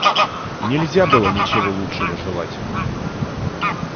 Нельзя было ничего лучшего желать.